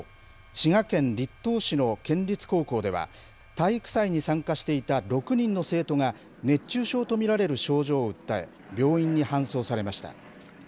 滋賀県栗東市の県立高校では、体育祭に参加していた６人の生徒が、熱中症と見られる症状を訴え、病院に搬送されました。